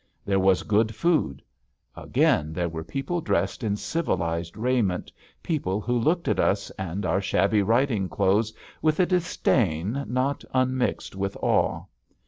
There was good food. Again there were people dressed in civilized raiment, people who looked at us and our shabby riding clothes with a disdain not unmixed with awe.